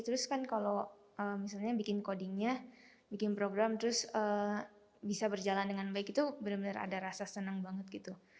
terus kan kalau misalnya bikin codingnya bikin program terus bisa berjalan dengan baik itu benar benar ada rasa senang banget gitu